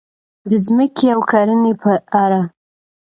د ځمکې او کرنې په اړه: